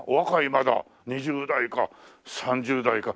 まだ２０代か３０代か。